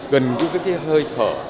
gần gũi với cái hơi thở